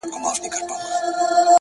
زه يې د خپلې پاکي مينې په انجام نه کړم!!